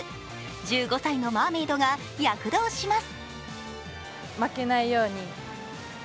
１５歳のマーメイドが躍動します。